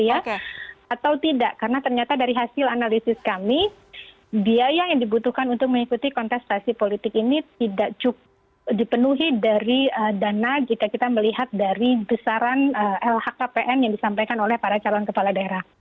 atau tidak karena ternyata dari hasil analisis kami biaya yang dibutuhkan untuk mengikuti kontestasi politik ini tidak cukup dipenuhi dari dana jika kita melihat dari besaran lhkpn yang disampaikan oleh para calon kepala daerah